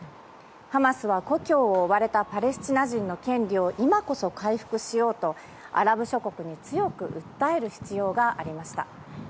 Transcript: ハマスは、故郷を追われたパレスチナ人の権利を今こそ回復しようとアラブ諸国に強く訴える必要がありました。